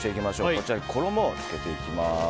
こちらに衣をつけていきます。